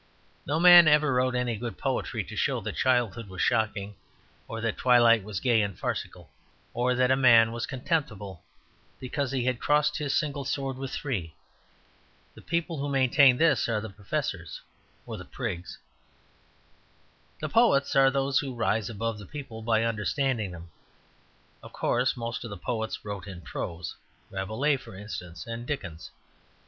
No man ever wrote any good poetry to show that childhood was shocking, or that twilight was gay and farcical, or that a man was contemptible because he had crossed his single sword with three. The people who maintain this are the Professors, or Prigs. The Poets are those who rise above the people by understanding them. Of course, most of the Poets wrote in prose Rabelais, for instance, and Dickens.